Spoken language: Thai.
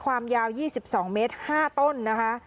ความยาว๒๒เมตร๕ต้นนะคะ